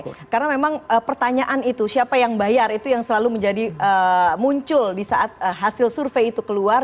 oke karena memang pertanyaan itu siapa yang bayar itu yang selalu menjadi muncul di saat hasil survei itu keluar